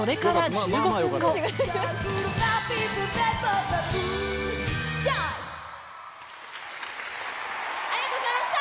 ＪＯＹありがとうございました！